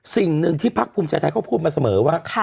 สิ่งหนึ่งที่พักภูมิใจไทยเขาพูดมาเสมอว่า